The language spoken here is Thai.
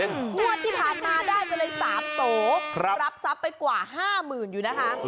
งวดที่ผ่านมาได้ไปเลย๓โสรับทรัพย์ไปกว่า๕๐๐๐อยู่นะคะ